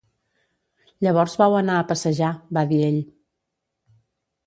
"Llavors vau anar a passejar", va dir ell.